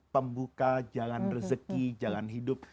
pembuka jalan rezeki jalan hidup